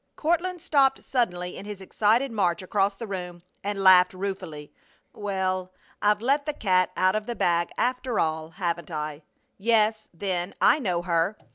Courtland stopped suddenly in his excited march across the room and laughed ruefully. "Well, I've let the cat out of the bag after all, haven't I? Yes, then, I know her!